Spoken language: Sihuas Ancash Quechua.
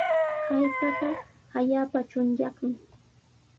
Hallqaqa allaapa chunyaqmi.